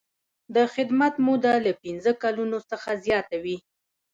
د خدمت موده له پنځه کلونو څخه زیاته وي.